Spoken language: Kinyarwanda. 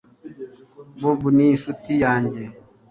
bob ni inshuti yanjye